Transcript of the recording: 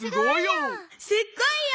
すっごいよ！